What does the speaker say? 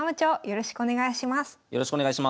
よろしくお願いします。